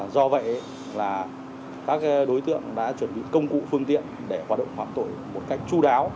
do vậy là các đối tượng đã chuẩn bị công cụ phương tiện để hoạt động phạm tội một cách chú đáo